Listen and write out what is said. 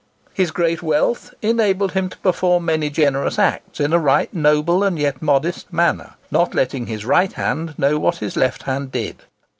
His great wealth enabled him to perform many generous acts in a right noble and yet modest manner, not letting his right hand know what his left hand did.